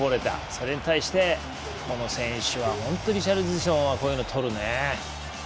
それに対して、この選手はリシャルリソンはこういうの取るね。